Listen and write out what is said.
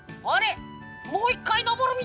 もう１かいのぼるみたい！